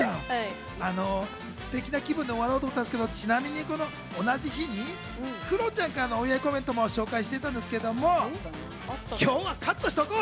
ステキな気分で終わろうと思ったんですけどちなみに同じ日にクロちゃんからのお祝いコメントも紹介していたんですけども今日はカットしとこう！